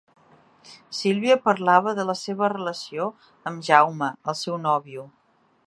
Sílvia parlava de la seva relació amb Jaume, el seu nòvio.